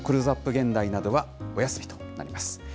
現代などはお休みとなります。